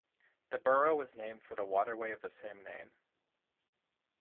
The borough was named for the waterway of the same name.